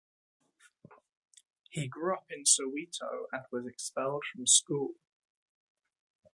He grew up in Soweto and was expelled from school.